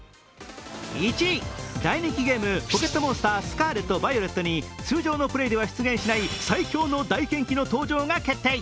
大人気ゲーム、「ポケットモンスタースカーレット・バイオレット」に通常のプレーでは出現しない最強のダイケンキの登場が決定。